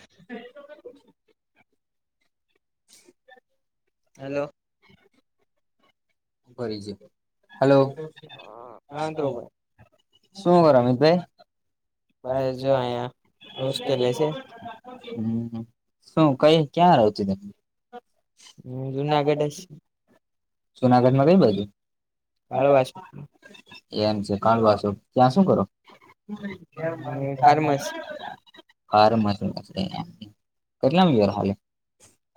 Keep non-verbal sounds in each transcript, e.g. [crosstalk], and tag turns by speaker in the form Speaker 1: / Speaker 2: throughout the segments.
Speaker 1: [unintelligible] Hello! Hello!
Speaker 2: હા તો
Speaker 1: શું
Speaker 2: ભાઈ
Speaker 1: કરો આમિતભઈ?
Speaker 2: બસ જો અહીયા હોસ્ટેલે છે
Speaker 1: હમ શું કઈ ક્યાં રો છો તમે?
Speaker 2: હમ, જુનાગઢસ
Speaker 1: જુનાગઢમાં કઈ બાજું?
Speaker 2: કાલવાસ
Speaker 1: એમ છે કાલવાસો ત્યાં શું કરો?
Speaker 2: હું ફાર્મસી
Speaker 1: ફાર્મસી કેટલામ રહ હાલે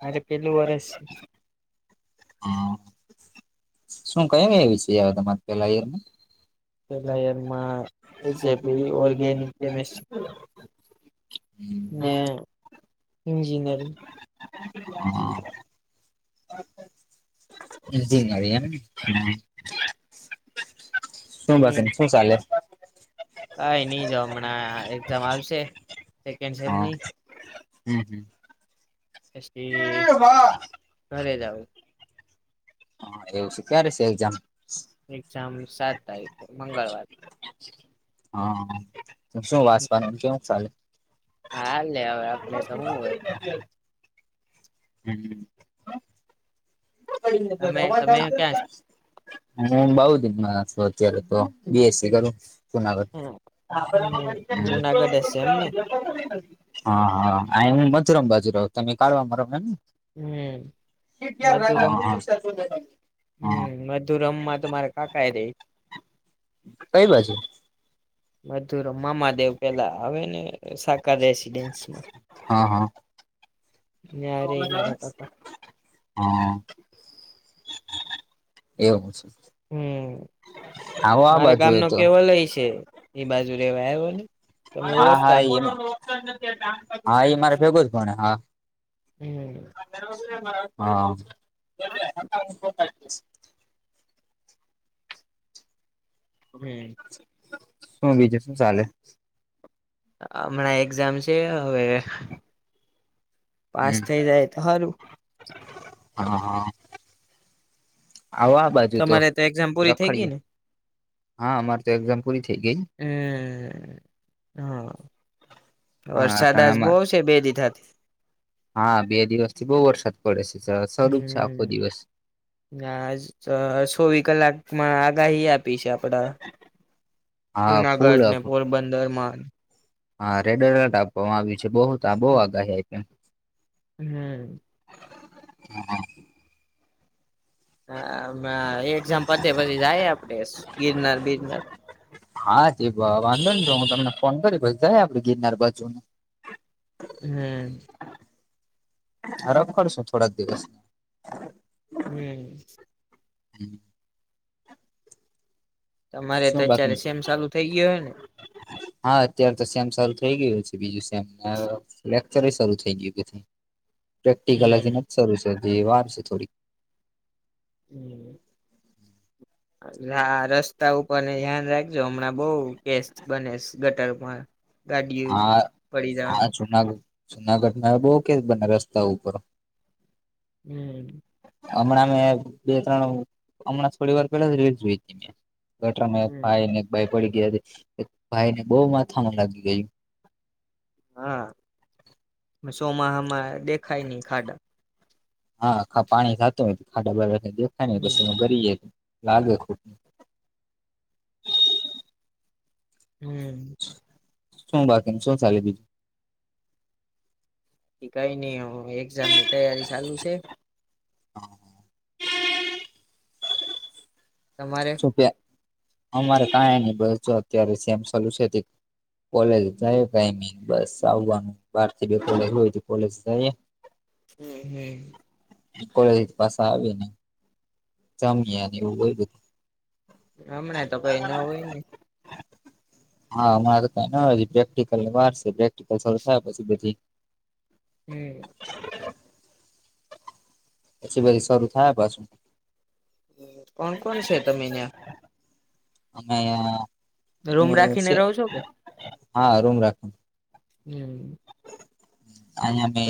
Speaker 2: મારે પેલું વરસ છે
Speaker 1: હ શું ક એવી છે તમાર પેલા એને
Speaker 2: પહેલા યાર માં B J P organic chemistry ને ઇન્જિનિયરિંગ
Speaker 1: હા, જીનર એમ શું બસ
Speaker 2: હમ
Speaker 1: એમ શું ચાલે?
Speaker 2: કઈ નહી જો હમણાં એક્ઝામ આવશે સેકન્ડ સેમની
Speaker 1: હ
Speaker 2: પછી ઘરે જાઉ
Speaker 1: હા, એવું સે ક્યારે છે એક્ઝામ?
Speaker 2: એક્ઝામ સાત તારીખે મંગળવાર.
Speaker 1: હા, શું વાસવાનું એમ કેવું ચાલે?
Speaker 2: હાલે હવે આપડે તો હું હોય
Speaker 1: [unintelligible] હ પડીને
Speaker 2: તમે તમે ક્યાં
Speaker 1: [unintelligible] અને હ બઉ દિનમાં છું અત્યારે તો બી એસ સી કરું. સુના
Speaker 2: છો
Speaker 1: હા
Speaker 2: હમ જુનાગઢ હશે એમને
Speaker 1: હા હા હું મચરમ બાજુ તમે કાઢવા માર ને ને
Speaker 2: હ વધુ રમ હ
Speaker 1: હા
Speaker 2: વધુ મધુરમમાં તો માર કાકા રહે
Speaker 1: કઈ બાજુ?
Speaker 2: મધુર મામાદેવ પેલા આવે ને સાકાર રેસીિડેન્સમાં
Speaker 1: હા હા
Speaker 2: યે રે મા
Speaker 1: હા, એવું છે.
Speaker 2: હ
Speaker 1: આવો આ
Speaker 2: મારા
Speaker 1: બાજુ
Speaker 2: ગામ
Speaker 1: એ
Speaker 2: નો
Speaker 1: તો
Speaker 2: કેવલય છે એ બાજુ રેવા આવ્યો ને તમે
Speaker 1: હા હા
Speaker 2: ઓળખતા
Speaker 1: એ
Speaker 2: હશો
Speaker 1: હા એ મારે ભેગું જ ભને હા
Speaker 2: હમ
Speaker 1: હા,
Speaker 2: હ
Speaker 1: બસ
Speaker 2: હવે
Speaker 1: શું બીજું શું ચાલે?
Speaker 2: હમણાં એક્ઝામ છે હવે પાસ
Speaker 1: હમ
Speaker 2: થઇ જાય તો હારુ.
Speaker 1: હા હા આવો બાજુ તો
Speaker 2: તમારે એક્ઝામ પૂરી થઈ ગઈ
Speaker 1: રખડીએ.
Speaker 2: ને
Speaker 1: હા અમારે તો એક્ઝામ પૂરી થઈ ગઈ. હા
Speaker 2: વરસાદા જ બ‌ઉ
Speaker 1: ટાણામાં
Speaker 2: છે બે દીધાથી.
Speaker 1: હા બે દિવસ થી બહુ વરસાદ પડે છે
Speaker 2: હમ
Speaker 1: સ્વરૂપ છે આખો દિવસ
Speaker 2: હા ગા છોવી કલાકમાં આગાહી આપ પી છે આપડા
Speaker 1: હા ફૂલ
Speaker 2: જુનાગઢ ને પોરબંદરમાં
Speaker 1: હા રેડ એલર્ટ આપવામાં આવ્યું છે બહ તા બહુ આગાહી આપી.
Speaker 2: હમ
Speaker 1: [unintelligible]
Speaker 2: હા એક્ઝામ પતે પછી જાય આપડે ગિરનાર બિરનાર
Speaker 1: હા તે વાંધો નય હું તમને ફોન કરી પછી જાય આપડ ગિરનાર બાજુને
Speaker 2: હમ
Speaker 1: હ રખડ સુ થોડાક દિવસ
Speaker 2: હમ
Speaker 1: હમ
Speaker 2: તમારે તો
Speaker 1: શું બાકી
Speaker 2: અત્યારે સેમ ચાલુ થઇ ગયો હે ને
Speaker 1: હા અત્યારે તો સેમ શરૂુ થઈ ગયું છે બીજું સેમ લેક્ચર શરૂ થઈ ગયું પછી પ્રેક્ટિકલ હજી
Speaker 2: હમ
Speaker 1: નથી સરૂ થયુ હજી વાર છે થોડી
Speaker 2: હમ હા રસ્તા ઉપરને ધ્યાન રાખજો હમણાં બહ કેસ બને ગટર પર
Speaker 1: હા હા સુનાું [unintelligible] જુનાગઢ પાહે બવ કેસ બને રસ્તા ઉપર
Speaker 2: હમ
Speaker 1: હમણાં મેં બે ત્રણ હમણાં થોડી વાર પેલા રીલ્સ જોઈ હતી મેં ગટરામાં એક
Speaker 2: હમ
Speaker 1: ભાઈ અને એક બાઈ પડી ગયા હતી એક ભાઈ ને બહુ માથામાં લાગી ગય
Speaker 2: હા સોમાહામા દેખાય નહી ખાડા
Speaker 1: હાા પાણી જાતું હોય ખાડા બાડા દેખાય ને પછી
Speaker 2: હમ
Speaker 1: એમા ગરી જાય લાગે ખુબ
Speaker 2: હમ
Speaker 1: શું બાકી એમ શું ચાલે બીજું
Speaker 2: કઈ નઈ હવ એક્ઝામની તૈયારી ચાલુ છે
Speaker 1: હા
Speaker 2: તમારે
Speaker 1: અમારે કાઈ નહી બસ અત્યારે સેમ સાલું છે કોલેજ જાય કાઈમિ બસ આવવાનું બાર થી બે કોલેજ હોય કોલેજ જાય એ
Speaker 2: હમ હમ
Speaker 1: કોલેજેથી પાસા આવીને
Speaker 2: હમણાં તો કઈ ન હોય ને
Speaker 1: [inaudible] હા હમણા તો કાઈ ના હોય હજી પ્રેક્ટિકલને વાર છે પ્રેક્ટિકલ થયા પછી બધી
Speaker 2: હમ
Speaker 1: પછી પછી શરૂુ થાષે પાછુ
Speaker 2: કોણ કોણ છે તમે ન્યા
Speaker 1: અમે હા
Speaker 2: રૂમ રાખીને રહો છો કે
Speaker 1: હા રૂમ રાખો
Speaker 2: હમ
Speaker 1: આયા મે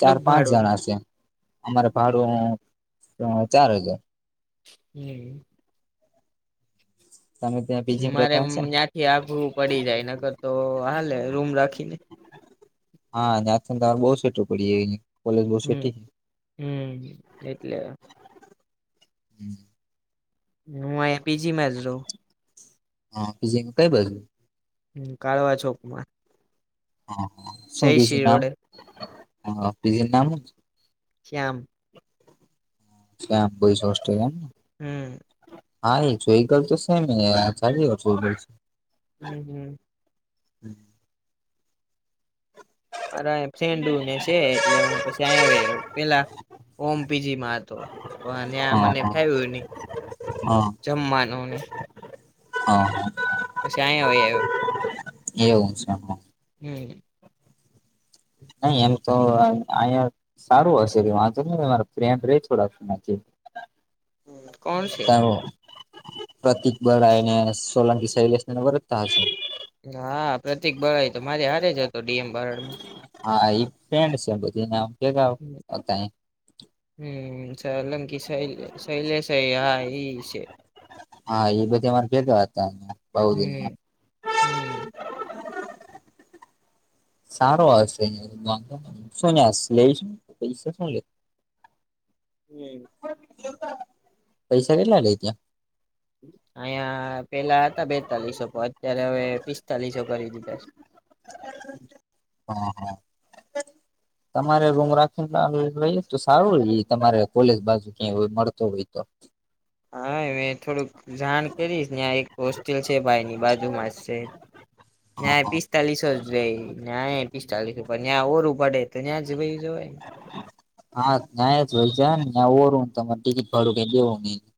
Speaker 1: ચાર પાંચ
Speaker 2: ભાડું
Speaker 1: જણા છે. અમારે ભાડું ચાર હજાર
Speaker 2: હમ.
Speaker 1: તમે ત્યાં પીજીમાં
Speaker 2: મારે
Speaker 1: રહેતા
Speaker 2: એમ
Speaker 1: હશે ને
Speaker 2: ન્યાંથી આધુ પડી જાય નગર તો હાલે રૂમ રાખીને
Speaker 1: હા ન્યાથી તાર બો સુટું પડી જાય કોલેજ બો
Speaker 2: હમ
Speaker 1: સેટી
Speaker 2: હમ એટલે
Speaker 1: હમ.
Speaker 2: હું આયા પીજીમાં જ રવ
Speaker 1: હ પીજી મા કઈ બાજુ
Speaker 2: હું કાળવા ચોકમાં
Speaker 1: હ શું પીજી
Speaker 2: જયશ્રી
Speaker 1: નામ
Speaker 2: રોડે
Speaker 1: હ પીજી નું નામ હુ?
Speaker 2: શ્યામ.
Speaker 1: શ્યામ બોઈઝ હોસ્ટેલ એમને
Speaker 2: હમ.
Speaker 1: હા એ જોઈ ગલ તો સે મે [unintelligible]
Speaker 2: હમ હમ.
Speaker 1: હમ.
Speaker 2: મારા ફ્રેન્ડુને છે, એટલે હું પછી [unintelligible] પેલા ઓમ પીજીમાં હતો ત્યા
Speaker 1: હા
Speaker 2: મને ફાયવું ની
Speaker 1: હા
Speaker 2: જમમાનોને
Speaker 1: હા હ.
Speaker 2: પછી આંયા હોય આયો
Speaker 1: એવું છે.
Speaker 2: હમ.
Speaker 1: નહી એમ તો અહીયા સારું હશે વાંધો ન મારા ફ્રેન્ડ રે થોડાક [inaudible]
Speaker 2: કોણ છે?
Speaker 1: પ્રતિક બરાને સોલંકી શૈલેસ ને ઓરખતા હશે
Speaker 2: હા પ્રતિક ભાઈ તમારે હારે જ હતો ડી એમ બારડમાં
Speaker 1: હા એ [inaudible]
Speaker 2: હમ સોલંકી સય સહેલેસ હા ઇ છે.
Speaker 1: કે હતા બાવરીમાં
Speaker 2: હમ હમ
Speaker 1: સારો આવશે વાંધ શું [unintelligible] પૈસા શું લે? [inaudible]
Speaker 2: હમ.
Speaker 1: પૈસા કેટલા લે ત્યાં?
Speaker 2: અહંયા પેલા હતા બેતાલીસો અત્યારે હવે પિસ્તાલીસો કરી દીધા છે. હ
Speaker 1: હા હા. તમારે રૂમ રાખી [unintelligible] તો સારું તમારે કોલેજ બાજુ ક્યાં હોય મળતો હોય તો
Speaker 2: હા [unintelligible] થોડુંક જાણ કરીશ ને આ એક હોસ્ટેલ છે, ભાઈની બાજુમાં જ છે.
Speaker 1: હા
Speaker 2: નાય
Speaker 1: હા
Speaker 2: પિસ્તાલીસો જ લેય [unintelligible] પિસ્તાલીસો ત્યાં ઓરું પડે ત્યાં જવાય જવાય
Speaker 1: હા ત્યા જ [unintelligible] ત્યા ઓરું તમા ટિકિટ ભાડું કઈ દેવું નય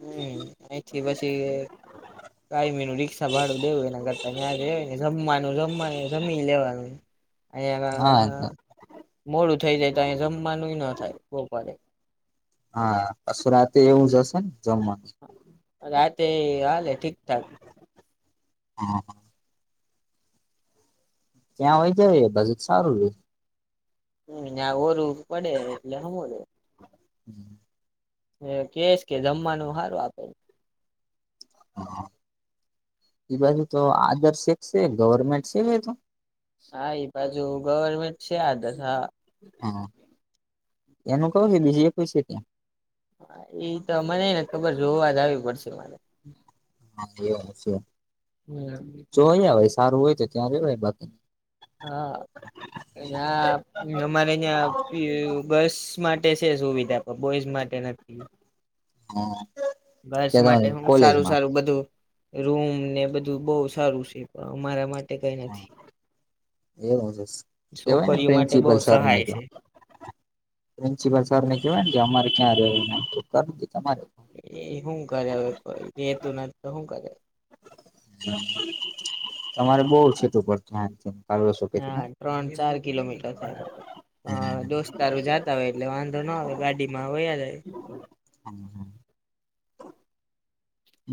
Speaker 2: હમ અયથી પછી કઈ [unintelligible] રિક્ષા ભાડું દેવું એને કરતા [unintelligible] જમવાનું જમવાનું જમી જ લેવાનું
Speaker 1: હા
Speaker 2: [unintelligible] મોડું થઈ જાય તો અયા જમવાનું ના થાય બપોરે
Speaker 1: હા પશુરાતે એવું જ હશે ને જમવાનું
Speaker 2: રાતે હાલે ઠીકઠાક
Speaker 1: હા હા ત્યાં હોય જાય બાજુ સારું છે.
Speaker 2: હમ્મ ઓરું પડે એટલે [unintelligible] સમે
Speaker 1: હમ્મ
Speaker 2: હ કેસ કે જમવાનું હારું આપે
Speaker 1: એ બાજુ તો આદર્શે છે ગવર્મેન્ટ છેે તો
Speaker 2: હા એ બાજુ ગવર્મેન્ટ છે આદત હા
Speaker 1: હા એનું કવું છે બીજી [unintelligible] એકઈ છે ત્યાં
Speaker 2: એ તો મને ને ખબર જોવા જ આવીવી પડશે મારે.
Speaker 1: હા એ છે
Speaker 2: હમ
Speaker 1: જોય હોય સારું હોય તો ત્યાંવાય બાકી
Speaker 2: હા હ અમારે અં ગર્લ્સ માટે છે સુવિધા બોઈઝ માટે તે નથી.
Speaker 1: હા.
Speaker 2: ઘર્ષ માટે હું સારું સારું બધું. રૂમ ને બધું બહુ સારું છે પણ અમારા માટે કઈ નથી.
Speaker 1: એવું છે કેવાય ને
Speaker 2: છોકરીઓ માટે બહુ
Speaker 1: પ્રિન્સિપલ સરને
Speaker 2: સહાય
Speaker 1: કે.
Speaker 2: છે
Speaker 1: પ્રિન્સિપલ સર ને કેવાય ને કે અમારે ક્યાં રહે.
Speaker 2: એ શું કરે હવે રેતું નથી તો શું કરે.
Speaker 1: તમારે બહ છે. શો કે.
Speaker 2: હા ત્રણ ચાર કિલોમીટર થાય મારે હા દોસ્તારો જાતા હોય એટલે વાંધો ના આવે ગાડી માં હો જાય.
Speaker 1: [inaudible]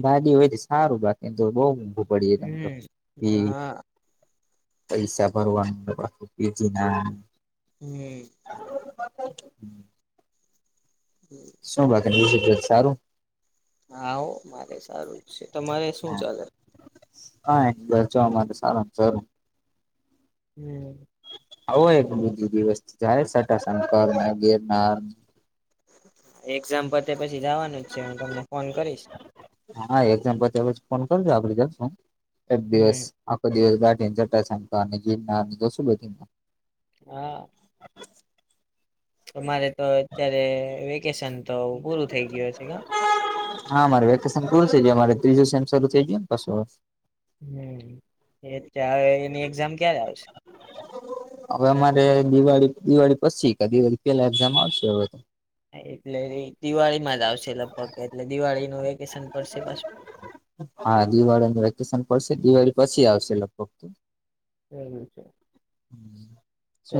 Speaker 1: ભાગે હોય સારું બાકી તો બહ ઊઘું પડી જ
Speaker 2: હમ
Speaker 1: ત.
Speaker 2: હા
Speaker 1: પૈસા ભરવાનું પીજી ના.
Speaker 2: હમ્મ
Speaker 1: [unintelligible] શું બાકી વિત સારું.
Speaker 2: હા ઓ મારે સારું છે તમારે શું ચાલે.
Speaker 1: હા બચવા માટે સારું સારું.
Speaker 2: હમ્મ
Speaker 1: હય એક બીજું દિવસ જાય સાટશનકર ગિરનાર.
Speaker 2: એક્ઝામ્પલ.
Speaker 1: હા એકજામ પછ ફોન કરજો આપડી જ. એક દિવસ
Speaker 2: હમ
Speaker 1: આખો દિવસ ગાઠીને ચટા સા જી બી
Speaker 2: હા. અરે તો અત્યારે વેકેશન તો પૂરું થઈ ગયું છે.
Speaker 1: હા મારે વેકેશન પૂરું થઈ ગાય મારે ત્રીજું સમ શરૂ થઈ ગય ને ક.
Speaker 2: હમ એટલે હવે એની એક્ઝામ ક્યારે આવશે
Speaker 1: હવે અમારે દિવાળી દિવાળી પછી કે દિવાળી પેલા એક્ઝામ આવશે હવે તો.
Speaker 2: એટલે દિવાળી માં જ આવશે લગભગ એટલે દિવાળીનું વેકેશન પડશે પાછું.
Speaker 1: હા દિવાળીનું વેકેશન પડશે દિવાળી પછી આવશે લગભગ.
Speaker 2: એવુ છે.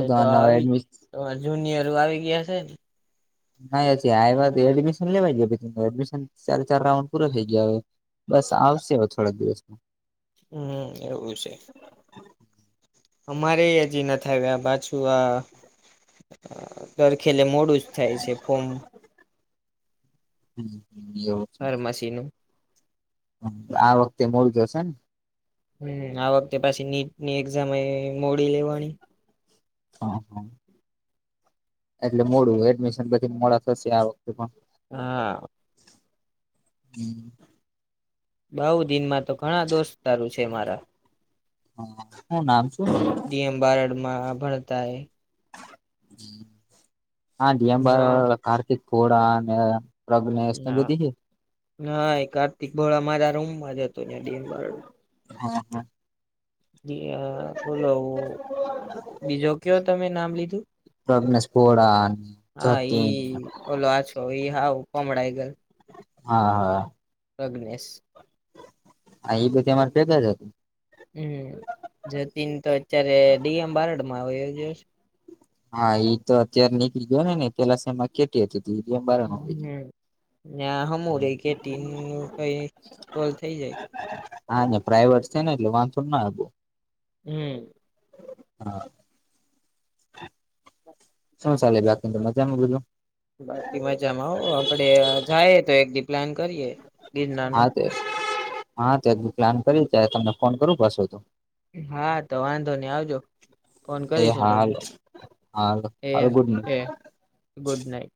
Speaker 2: એ તો
Speaker 1: તમારે નવા
Speaker 2: આવી
Speaker 1: એડમિશન
Speaker 2: તમા જુનિયર આવી ગયા છે ને.
Speaker 1: નઈ વાત એડમિશન લેવાઈ ગયા ત એડમિશન ચાર ચાર રાઉન્ડ પૂરો થઈ ગયો હવે. બસ આવશે હો થોડાક દિવસમાં.
Speaker 2: હમ્મ એવું છે. અમારે હજી નથી આવ્યા પાછું આ ખેલે મોડું જ થાય છે ફોર્મ.
Speaker 1: હમ્મ
Speaker 2: ફર મશીનું.
Speaker 1: આ વખતે મોર [unintelligible] ને.
Speaker 2: હમ આ વખતે પછી નીટની એક્ઝામ મોડી લેવાની.
Speaker 1: હા હા એટલે મોડું એડમિશન પછી મોડા થશે આ વખતે પણ.
Speaker 2: હા.
Speaker 1: હમ.
Speaker 2: બાહું દિનમાં તો ઘણા દોસ્તારો છે મારા.
Speaker 1: હા હું નામ છું.
Speaker 2: ડીએમ [unintelligible] ના
Speaker 1: [unintelligible] કાર્તિક ઘોડા અને. પ્રગ્રનેસ ને બધી. [unintelligible]
Speaker 2: હા એ કાર્તિક ભોળા મારા રૂમમાં જ હતો. [unintelligible]
Speaker 1: હા હા.
Speaker 2: બોલો બીજો કયો તમે નામ લીધું.
Speaker 1: પ્રજ્ઞેશ ખોડા
Speaker 2: હા
Speaker 1: જતીન
Speaker 2: ઈ ઓલો આછો ઈ હા પમળાઈ ગય.
Speaker 1: હા હા.
Speaker 2: પ્રગ્નેશ.
Speaker 1: હ એ બધી અમારે ભેગા જ હતું.
Speaker 2: હમ જતીન તો અત્યારે ડીએમ બારડ માં વ્યો ગયો છે.
Speaker 1: હા એ તો અત્યારે નીકળી ગયો ને ને પેલા શેમાં કેટી હતી.
Speaker 2: હમ
Speaker 1: [unintelligible] ગઈ
Speaker 2: [unintelligible]
Speaker 1: હા પ્રાઈવેટ છે ને એટલે વાંધો ના આવો.
Speaker 2: હમ.
Speaker 1: હા. [inaudible] શું ચાલે બાકી મજામાં બધું?
Speaker 2: બાકી મજામાં હો આપડે જાયે તો એક દી પ્લાન કરીએ ગિરનારનું.
Speaker 1: હા તે હા ત્યાં બી પ્લાન કરી ત્યારે તમને ફોન કરું પાછું તો.
Speaker 2: હા તો વાંધો નહી આવજો ફોન
Speaker 1: એ
Speaker 2: કરીશું
Speaker 1: હા
Speaker 2: તમને.
Speaker 1: હાલો હાલો
Speaker 2: એ
Speaker 1: હાલો ગુડ નાઈટ
Speaker 2: હ ગુડ નાઇટ.